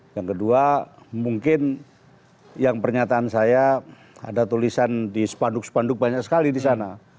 yang kedua mungkin yang pernyataan saya ada tulisan di spanduk spanduk banyak sekali di sana